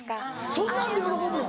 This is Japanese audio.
そんなんで喜ぶの？